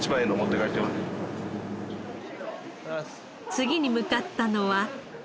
次に向かったのは。